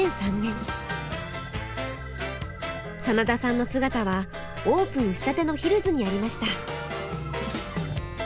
真田さんの姿はオープンしたてのヒルズにありました。